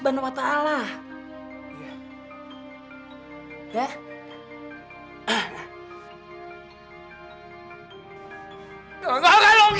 jangan jangan jangan